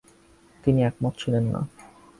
তিনি একমত ছিলেন না।